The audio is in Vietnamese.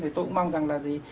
thì tôi cũng mong rằng là gì